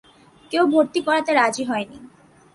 কেউ ভর্তি করাতে রাজি হয় নি।